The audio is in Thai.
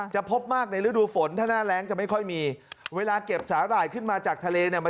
พบมากในฤดูฝนถ้าหน้าแรงจะไม่ค่อยมีเวลาเก็บสาหร่ายขึ้นมาจากทะเลเนี่ย